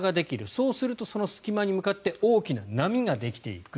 そうすると、その隙間に向かって大きな波ができていく。